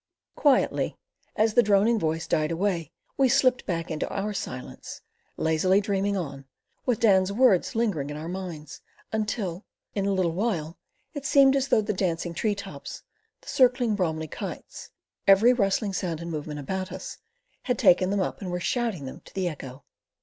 Quietly, as the droning voice died away, we slipped back into our silence, lazily dreaming on, with Dan's words lingering in our minds, until, in a little while, it seemed as though the dancing tree tops, the circling Bromli kites, every rustling sound and movement about us, had taken them up and were shouting them to the echo.